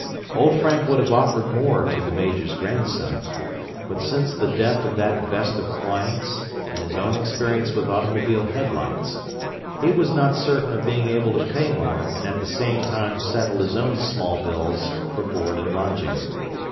Old Frank would have offered more to the Major's grandson, but since the death of that best of clients and his own experience with automobile headlights, he was not certain of being able to pay more and at the same time settle his own small bills for board and lodging.